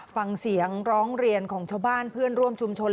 ฟังเสียงร้องเรียนของชาวบ้านเพื่อนร่วมชุมชน